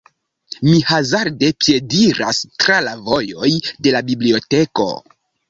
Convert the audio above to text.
Mi hazarde piediras tra la vojoj de la biblioteko.